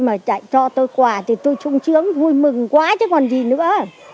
mà cho tôi quà thì tôi trung trướng vui mừng quá chứ còn gì nữa